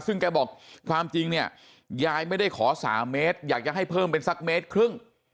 ซึ่งแกบอกความจริงเนี่ยยายไม่ได้ขอ๓เมตรอยากจะให้เพิ่มเป็นสักเมตรครึ่ง